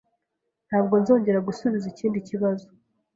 Ntabwo nzongera gusubiza ikindi kibazo.